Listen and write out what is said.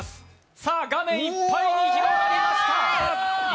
さあ、画面いっぱいに広がりました